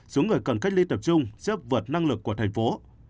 xuống người cần cách ly tập trung chấp vượt năng lực của thành phố